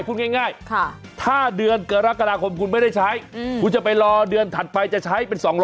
พูดง่ายถ้าเดือนกรกฎาคมคุณไม่ได้ใช้คุณจะไปรอเดือนถัดไปจะใช้เป็น๒๐๐